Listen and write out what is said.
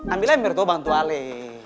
ambil aja mirto bantu ale